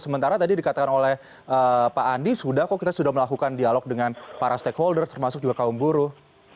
sementara tadi dikatakan oleh pak andi sudah kok kita sudah melakukan dialog dengan para stakeholders termasuk juga kaum buruh